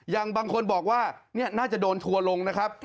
บางคนบอกว่านี่น่าจะโดนทัวร์ลงนะครับ